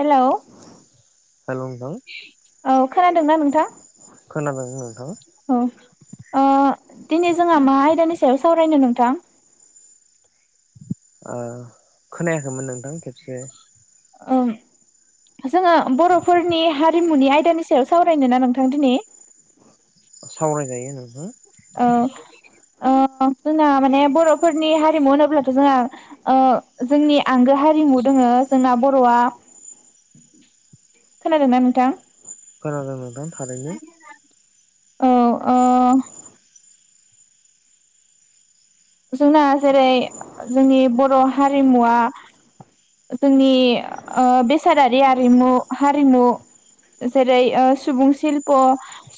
Hello hello नोंथां औ खोनादोंना नोंथां? खोनादों नोंथां औ ओ दिनै जोंहा मा आयदानि सायाव सावरायनो नोंथां? ओ खोनायाखैमोन नोंथां खेब से ओं जोङो बरफोरनि हारिमुनि आयदानि सायाव सावरायनो ना नोंथां दिनै? सावरायजायो नोंथां। औ ओ-जोंना माने बरफोरनि हारिमु होनोब्लाथ जोंहा ओ-जोंनि आंगो हारिमु दोंङो जोंना बरआ। खोनादोंना नोंथां? खोनादों नोंथां। थारैनो औ ओ जोंना जेरै जोंनि बर' हारिमुवा जोंनि ओ-बेसादारि आरिमु हारिमु जेरै ओ सुबुं सिशल्प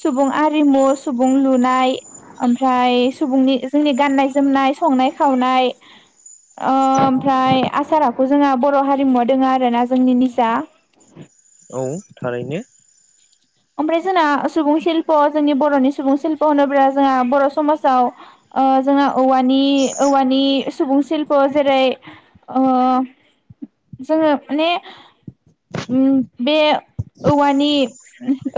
सुबुं आरिमु सुबुं लुनाय ओमफ्राय सुबुंनि जोंनि गाननाय। जोमनाय संनाय खावनाय ओ- ओमफ्राय आसारा आखु जोंहा बर हारिमुआव दङ आरोना जोंनि निजा। औ थारैनो ओमफ्राय जोंना सुबुं सिल्प जोंनि बरनि सुबुं सिल्प होनोब्ला जोंहा बर समाजाव ओ-जोंहा औवानि औवानि सुबुं सिगल्प जेरै ओ- जोङो माने। उम बे औवानि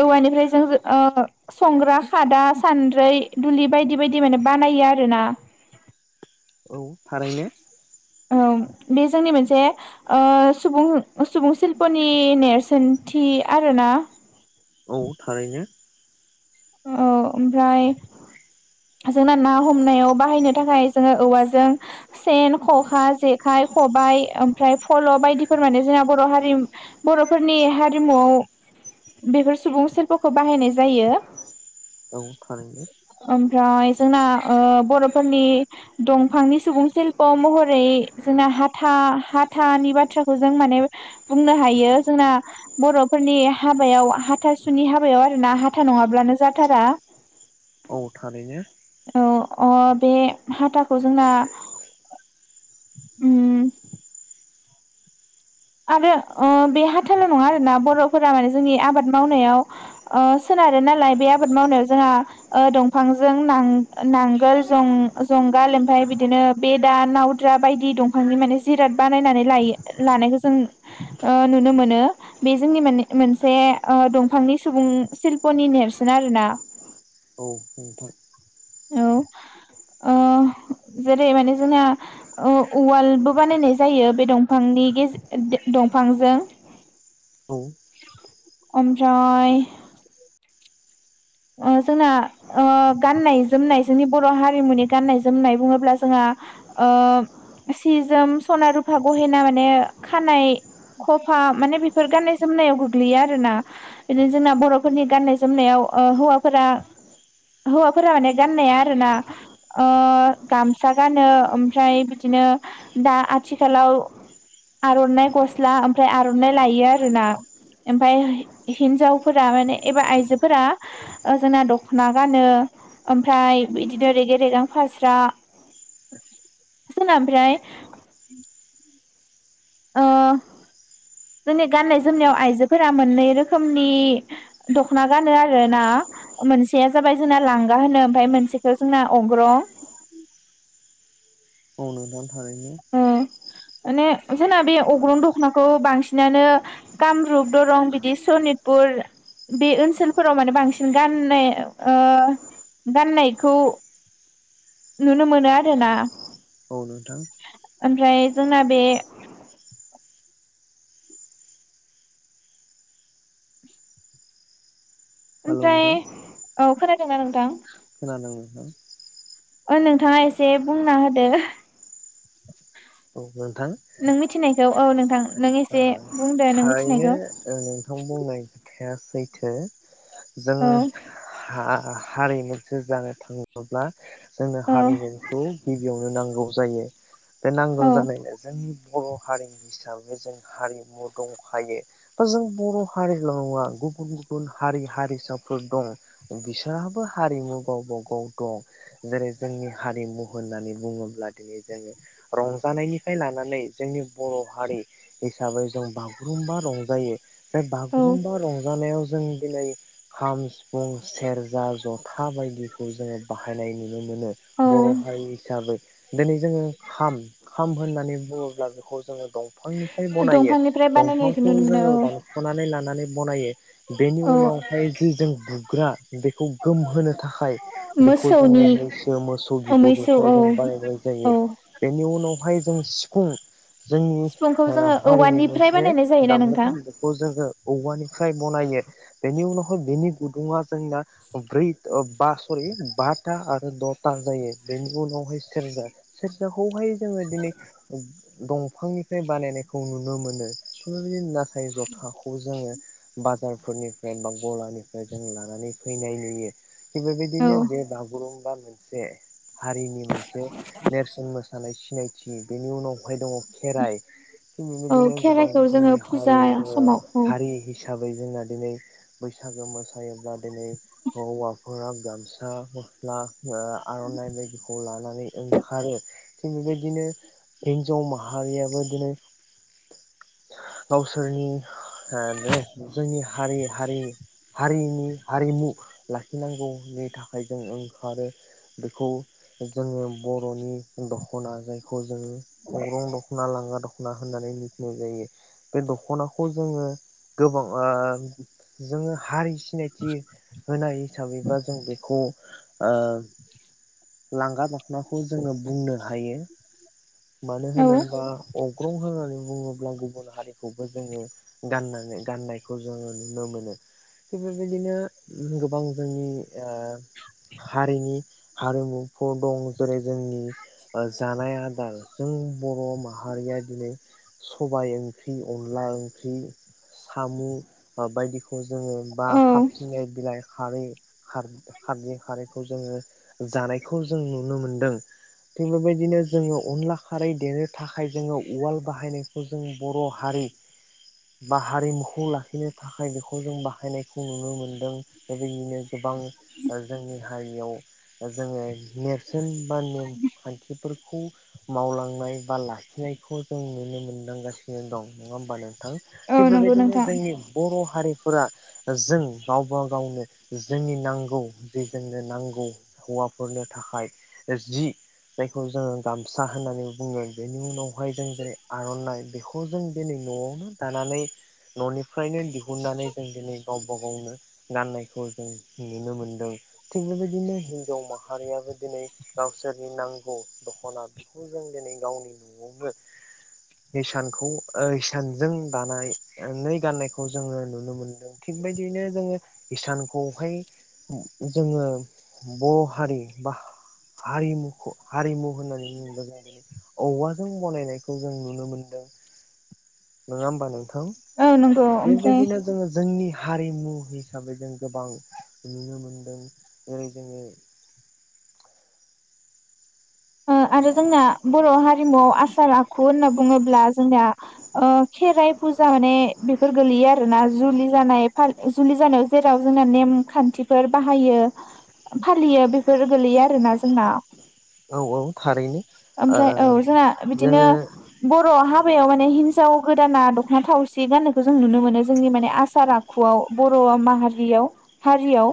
औवानिफ्राय जों ओ- संग्रा खादा सान्द्रै दुलि बायदि बायदि माने बानायो आरोना। औ थारैनो औ बे जोंनि मोनसे ओ- सुबुं सुबुं सिल्पनि नेरसोनथि आरोना। औ थारैनो औ ओमफ्राय जोंना ना हमनायाव बाहायनो थाखाय जोङो औवाजों सेन खखा जेखाइ खबायाइ ओमफ्राय फल' बायदिफोर माने जोंना बर' हारि बर'फोरनि हारिमुआव बेफोर सुबुं सिप्लखौ बाहायनाय जायो। औ थारैनो ओमफ्राय जोंना ओ- बर'फोरनि दंफांनि सुबुं शिल्प' महरै जोंना हाथा हाथानि बाथ्राखौ जों माने बुंनो हायो जोंना बर'फोरनि हाबायाव हाथासुनि हाबायाव आरोना हाथा नङाब्लानो। जाथारा अ थारैनो औ अ बे हाथाखौ जोंना ओम आरो अ बे हाथाल' नङा आरोना बर'फोरा माने जोंनि आबाद मावनायाव ओ- सोनारो नालाय बे आबाद मावनायाव जोंहा ओ- दंफांजों नां-नांगोल जं-जुंगाल ओमफ्राय बिदिनो बेदा, नावद्रा बायदि दंफांनि माने जिराद बानायनानै लायो लानाय। जों ओ- नुनो मोनो। बे जोंनि मान मोनसे ओ- दंफांनि सुबुं सिल्पनि नेरसोन आरोना। औ नोंथां औ ओ- जेरै माने जोंना ओ-उवालबो बानायनाय जायो बे दंफांनि गेजे र दंफांजों। औ ओमफ्राय ओ- जोंना ओ-गाननाय-जोमनाय जोंनि बर' हारिमुनि गाननाय जोमनाय बुङोब्ला जोंहा ओ- सि-जोम, सना-रुफा, गहेना माने खानाय खफा माने बेफोर गाननाय जोमनायाव गोग्लैयो आरोना। बिदिनो जोंना बर'फोरनि गाननाय जोमनायाव ओ- हौवाफोरा हौवाफोरा माने गाननाया आरोना ओ- गामसा गानो ओमफ्राय बिदिनो दा आथिखालाव आर'नाइ गस्ला ओमफ्राय आर'नाइ लायो आरोना। ओमफ्राय हि- हिन्जावफोरा माने एबा आइजोफोरा। ओ- जोंना दख'ना गानो ओमफ्राय बिदिनो रेगें-रेगां फास्रा, जोंना ओमफ्राय ओ- जोंनि गाननाय-जोमनायाव आइजोफोरा मोननै रोखोमनि दखना गानो आरो ना। ओ-मोनसेया जाबाय जोंना लांगा होनो ओमफ्राय मोनसेखौ जोंना अग्र'। औ नोंथां थारैनो माने जोंना बे अग्रं दख'नाखौ बांसिनानो कामरुप, दरं, बिदि सनितपुर बे ओनसोलफोराव माने बांसिन गाननाय ओ- गाननायखौ। नुनो मोनो आरोना। औ नोंथां ओमफ्राय जोंना बे हेल' नोंथां दोंना नोंथां? खोनादों नोंथां। ओ- नोंथाङा एसे बुंना होदो। औ नोंथां नों मिथिनायखौ औ नोंथां नों एसे ओ- बुंदो नों थारैनो मिथिनायखौ ओ-नोंथां बुंनाय आ सैथो। जों औ हा हारि मोनसे जानो थाङोब्ला जोंनो औ हारिमुखौ गि बेयावनो नांगौ जायो बे नांगौ औ जानायनो जों बर हारिनि हिसा जों हारिमु दंखायो बा जों बर हारिल नङा गुबुन गुबुन हारि हारिसाफोर दं बिसोरहाबो हारिमु गावबा गाव दं जेरै जोंनि हारिमु होननानै बुङोब्ला दिनै जोङो रंजानायनिफ्राय लानानै जोंनि बर हारि हिसाबै जों बागुरुम्बा रंजायो बे औ बागुरुम्बा रंजानायाव जों दिनै खाम, सिफुं, सेरजा, जथा बायदिखौ जोङो बाहायनाय नु नुनो मोनो औ बर हारि हिसाबै दिनै जोङो खाम खाम होननानै बुङोब्ला बेखौ जोङो दं फांनिफ्राय बनायो दंफांनिफ्राय बानायनायखौ दंफांखौ नुनो मोनो जोङो औ दानखनानै लाना नानै बनायो बेनि औ उनावहाय जि जों बुग्रा बेखौ गोमहोनो थाखाय बेखौ जोङो मोसौनि मैसो मोसौ मैसौ बिगुरनिफ्राय औ जों बानायनाय औ जायो बेनि उनाव हाय जों सिखुं जों सिफुंखौ ओ जोङो हारिनि औवानिफ्राय मोनसे बानायनाय जायोना नोंथां [unintelligible] बेखौ जोंंङो औवानिफ्राय बनायो बेनि उनावहाय बेनि गुदुङा जोंना ब्रै बा सरि बाथा आरो दथा जायो बेनि उनाव सेरजा से बेखौहाय जोङो दिनै दंफांनि फ्राय बानायनायखौ नुनो मोनो थेवबो ना थाय जथाखौ जोङो बाजारफोरनिफ्राय बा गलानिफ्राय जों लानानै फैनाय नुयो औ बेबायदिनो [unintelligible] बा मोनसे हारिनि मोनसे नेरसोन मोसानाय सिनायथि बेनि उनावहाय दङ खेराइ थिग औ बिबायदिनो गोबां खेराइखौ जोङो [unintelligible] फुजा हारि दङ समाव औ हारि। हिसाबै जोंना दिनै बैसागो मोसायोब्ला। दिनै [unintelligible] [unintelligible] गामसा गस्ला आर'नाइ बायदिखौ लानानै ओंखारो थिग बेबायदिनो हिनजाव माहारियाबो। दिनै गावसोरनि रेस जोंनि हारि हारि हारिनि। हारिमु लाखिनांगौनि थाखाय जों ओंखारो बेखौ जोङो बर'नि दख'ना जायखौ जोङो अग्रं दख'ना लांगा दख'ना। होननानै मिथिनाय जायो बे दख'नाखौ जोङो गोबांआ हारि। सिनायथि होनाय हिसाबैबा जों बेखौ। [inaudible] आ लांगा दख'ना। नाखौ जोङो बुंनो। हायो। मानो औ होनोब्ला अग्रं होननानै बुङो। अब्ला गुबुन हारिखौबो जोङो गाननानै गाननायखौ जोङो नुनो मोनो थिग बेबायदिनो गोबां जोंनि ओ हारिनि हारिमुफोर दं जेरै जोंनि जानाय आदार। जों बर' माहारिया दिनै सबाय ओंख्रि अनला ओंख्रि सामु बा बायदिखौ। जोङो बा औ खाबसिननाय बिलाइ। खारै खार खारदै खारैखौ जोङो जानायखौ जों नुनो मोनदों थिग बेबायदिनो जोङो अनला। खारै देनो थाखाय जोङो उवाल बाहायनायखौ जों बर' हारि बा हारिमुखौ लाखिनो थाखाय बेखौ जों बाहायनायखौ नुनो मोनदों बेबायदिनो गोबां जोंनि हारियाव जोङो नेरसोन। मान नेम खान्थि। [inaudible] मावलांनाय बा लाखिनायखौ जों नुनो मोनदांगासिनो दं। नङा होमबा नोंथां? थिग औ नंगौ बेबायदिनो नोंथां जोंनि बर' हारि। फोरा जों गावबा गावनो जोंनि नांगौ जे जोंनो नांगौ हौवाफोरनो थाखाय जि जायखौ जोङो गा। सा होननानै बुङो बेनि उनाव। बेहाय जों जेरै आर'नाइ बे। खौ जों दिनै न'आवनो दानानै न'निफ्रायनो दिहु। हुननानै जों दिनै गावबा गावनो। गाननायखौ जों नुनो मोनदों थिग बेबायदिनो हिनजाव माहारियाबो दिनै गावसोरनि नांगौ दख'ना। बेखौ जों दिनै गावनि न'आवनो इसानखौ इसानजों दानायानानै गाननायखौ जोङो नुनो मोनदों थिगबायदियैनो जोङो इसानखौहाय जोङो बर' हारि बा हारिमुखौ हारिमु। होननानै औवाजों बनायनाय। खौ जों नुनो मोनदों। नोङा होमबा नों थां औ नंगौ ओमफ्राय बेबायदिनो जोङो जोंनि। हारिमु हिसाबै जों गोबां नुनो मोनदों जेरै जोङो। ओ आरो जोंना बर' हारिमुआव आसार। खु होनना बुङोब्ला जोंनिया। ओ खेराइ फुजा माने बेफोर गोलैयो आरो ना जुलि जानाय जुलि जानायाव जेराव जोंना नेम खान्थिफोर बाहायो फालियो बेफोर गोलैयो आरोना जोंना। औ औ थारैनो ओ आमफ्राय औ जोंना बिदिनो जोङो बर' हा बायाव माने हिनजाव गोदाना दख'ना थावसि गान्नायखौ जों नुनो मोनो जोंनि माने आसार आखुआव बर' माहारियाव हारियाव।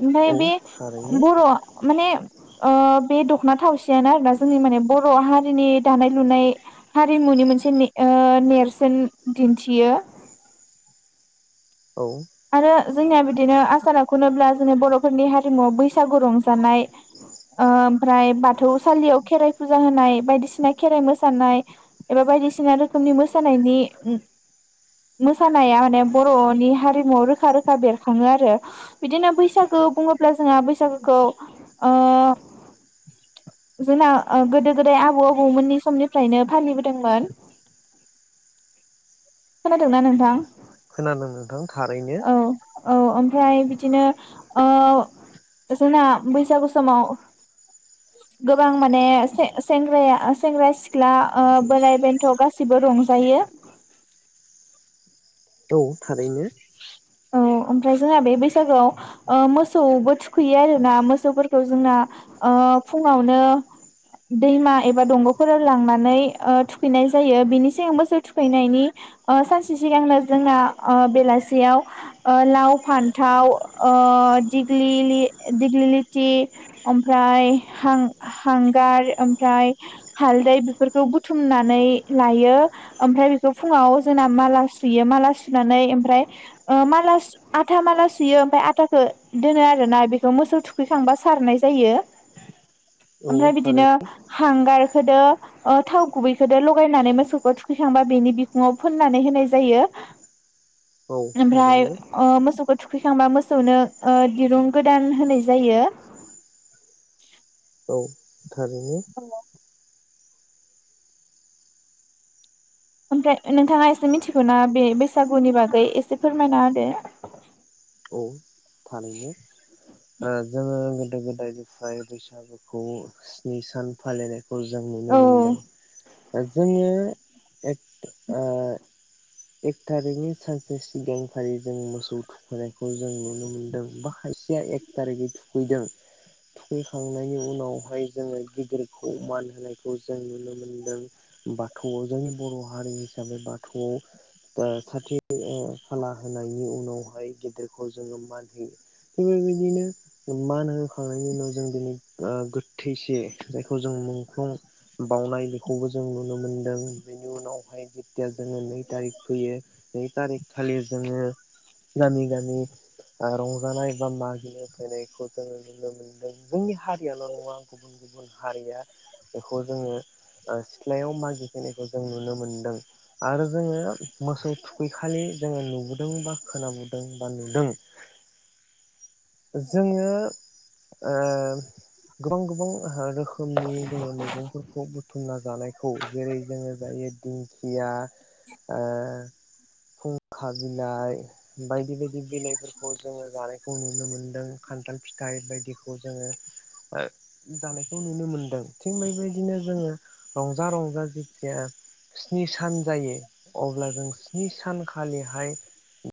ओमफ्राय औ बे थारैनो बर' माने ओ बे दं खना थावसियानो आरोना जोंनि माने बर' हारिनि दानाय लुनाय हारिमुनि मोनसे ने ओ नेरसोन दिन्थियो। औ आरो जोंनिया बिदिनो आसारा आखु होनोब्ला जोंनि बर'फोरनि हारिमुवआव बैसागु रंजानाय ओमफ्राय बाथौसालियाव खेराइ। फुजा होनाय बायदिसिना खेराइ मोसानाय एबा बायदिसिना रोखोमनि मोसानायनि। मोसानाया माने बर'नि हारि। मुआव रोखा रोखा बेरखाङो आरो बिदिनो बैसागु बुङोब्ला जोंहा बैसागुखौ ओ। जोंना गोदो गोदाय आबौ आबौमोननि समनिफ्रायनो। फालि दोंमोन खोनादोंना नोंथां खोनादों नोंथां थारैनो औ औ ओमफ्राय बिदिनो ओ जोंना बैसागु समाव गोबां माने सेंग्र-सेंग्रा-सिख्ला बोराइ बेन्थ' गासिबो रंजायो औ थारैनो औ ओमफ्राय जोंहा बे बैसागोआव मोसौबो थुखैयो आरोना मोसौफोरखौ जोंना ओ फुङावनो दैमा एबा दंग'फोराव लांनानै ओ थुखैनाय जायो बेनि सिगां मोसौ थुखैनायनि सानसे सिगांनो जोंना ओ बेलासियाव ओ लाव फान्थाव ओ दिग्लि-दिग्लिलिथि ओमफ्रायां हांगार ओमफ्राय हालदै बेफोरखौ बुथुमनानै लायो ओमफ्राय बेखौ फुङाव जोंना माला सुयो माला सुनानै ओमफ्राय ओ माला आथा माला सुयो ओमफ्राय आटाखौ दोनो आरोना बेखौ मोसौ थुखैखांबा सारनाय जायो। औ ओमफ्राय थारै बिदिनो हांगारखौदो थाव गुबैखौजों लगायनानै मोसौखौ थुखैखांबा बेनि बिखङाव फोननानै होनाय जायो। औ ओमफ्राय थारैनो ओ मोसौखौ थुखैखांबा मोसौनो ओ दिरुं गोदान होनाय जायो। औ थारैनो ओमफ्राय नोंथाङा एसे मिथिगौना बे बैसागुनि बागै एसे फोरमायना होदो। औ थारैनो जोङो गोदो गोदायनिफ्राय बैसागुखौ स्नि सान फालिनाय खौ जों नुनो औ मोनदों। जोङो आ एक थारिखनि सानसे सिगांखालि जों मोसौ थुखैनायखौ जों नुनो मोनदों बा खायसेया एक थारिखै थुखैदों थुखैखांनायनि उनावहाय जोङो गिदिरखौ मान होनायखौ जों नुनो मोनदों बाथौआव जोंनि बर' हारि हिसाबै बाथौआव खाथि-खाला होनायनि उनावहाय गिदिरखौ जोङो मान होयो बेनो बिदिनो मान होखांनायनि उनाव जों दिनै गोथैसे जायखौ जों मुंख्लं बाउनाय बेखौबो जों नुनो मोनदों। बेनि उनावहाय जेथिया जोङो नै थारिख फैयो नै थारिख खालि जोङो गामि-गामि रंजानाय बा मा नो फैनायखौ जों नुनो मोनदों। जोंनि हारियाल' नङा गुबुन- गुबुन हारिया बेखौ जोङो सिथ्लायाव मागिफैनायखौ जों नुनो मोनदों। आरो जोङ मोसौ थुखैखालि जोङो नुदों बा खोनाबोदों बा नुदों जोङो ओ गोबां-गोबां ओ रोखोमनि जोङो मैगंफोरखौ बुथुमना जानायखौ जेरै जोङो जायो दिंखिया, ओ फुंखा बिलाइ बायदि-बायदि बिलाइफोरखौ जोङो जानायखौ नुनो मोन दों खान्थाल फिथाइ बायदिखौ जोङो जानायखौ नुनो मोनदों थिग बेबायदिनो जोङो रंजा-रंजा जेथिया स्नि सान जायो अब्ला जों स्नि सानखालिहाय